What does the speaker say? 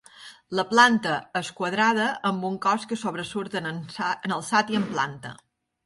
La planta és quadrada amb un cos que sobresurt en alçat i en planta.